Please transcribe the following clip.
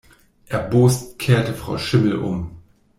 Erbost kehrte Frau Schimmel um.